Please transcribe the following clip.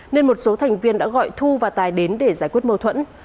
nên một số thành viên đã gọi thu và tài đến để giải quyết mâu thuẫn